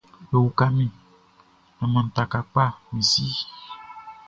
Bewuka mi, nan man kpata mi si.